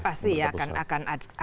pasti ya akan ada